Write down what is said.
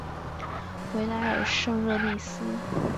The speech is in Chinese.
维莱尔圣热内斯。